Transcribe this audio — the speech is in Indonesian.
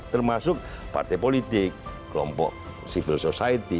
termasuk partai politik kelompok civil society